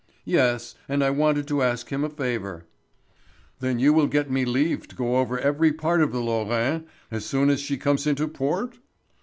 "Yes. And I wanted to ask him a favour." "Then you will get me leave to go over every part of the Lorraine as soon as she comes into port?"